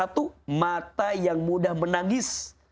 satu mata yang mudah menangis